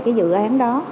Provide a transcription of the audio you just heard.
cái dự án đó